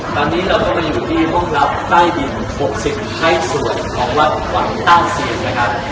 ตอนนี้เราจะมาอยู่ที่ห้องรับใต้ดินปกสิทธิ์ให้ส่วนของวัดหวังต้านเซียนนะครับ